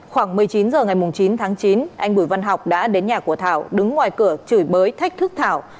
khoảng một mươi chín h ngày chín tháng chín anh bùi văn học đã đến nhà của thảo đứng ngoài cửa chửi bới thách thức thảo